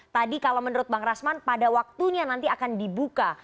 tadi kalau menurut bang rasman pada waktunya nanti akan dibuka